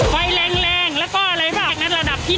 ไฟแรงแล้วก็อะไรแบบนั้นระดับที่๑นะ